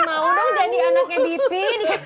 mau dong jadi anaknya bp